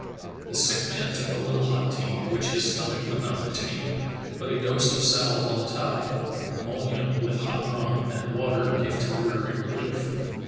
The sick man took a Httle hot tea, which his stomach would not retain, but a dose of sal volatile (ammonia) with hot rum and water gave temporary relief.